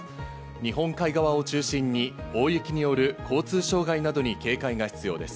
日本海側を中心に大雪による交通障害などに警戒が必要です。